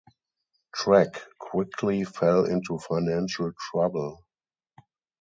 Track quickly fell into financial trouble.